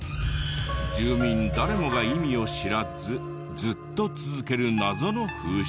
住民誰もが意味を知らずずっと続ける謎の風習。